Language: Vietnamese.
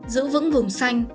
giữ vững vùng xanh